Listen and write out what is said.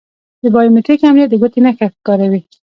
د بایو میتریک امنیت د ګوتې نښه کاروي.